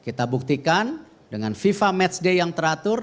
kita buktikan dengan fifa match day yang teratur